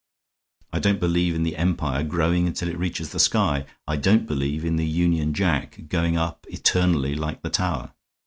I don't believe in the Empire growing until it reaches the sky; I don't believe in the Union Jack going up and up eternally like the Tower.